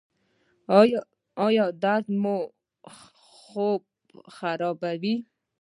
ایا درد مو خوب خرابوي؟